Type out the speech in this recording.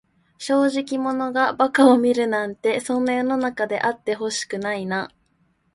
正直者が馬鹿を見るなんて、そんな世の中であってほしくないな。